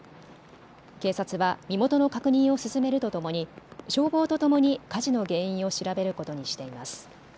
警察は身元の確認を進めるとともに消防とともに火事の原因を調べることにしています。